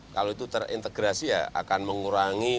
kalau itu terintegrasi ya akan mengurangi